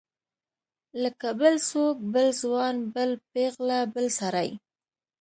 لکه بل څوک بل ځوان بله پیغله بل سړی.